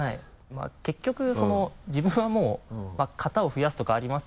まぁ結局自分はもう型を増やすとかありますけど。